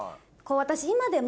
私。